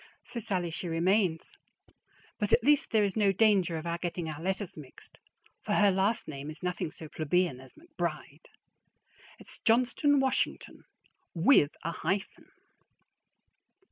So "Sallie" she remains; but at least there is no danger of our getting our letters mixed, for her last name is nothing so plebeian as McBride. It's Johnston Washington, with a hyphen.